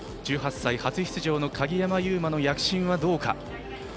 １８歳、初出場の鍵山優真の躍進はどうか。